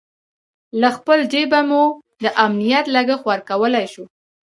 له خپل جېبه مو د امنیت لګښت ورکولای شوای.